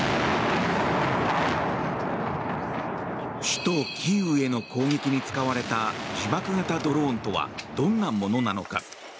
首都キーウへの攻撃に使われた自爆型ドローンとはどんなものなのか。